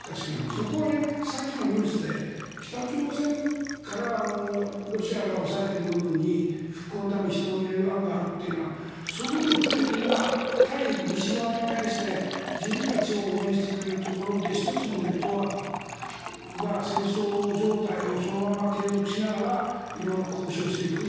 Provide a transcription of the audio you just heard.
そこはさっきのニュースで北朝鮮からロシアが押さえている部分に復興のために人を入れる案があるというのはそういうことを含めて今、対西側に対して自分たちを応援してくれるところで１つのネットワークが戦争状態をそのまま継続しながら色んな交渉をしていく。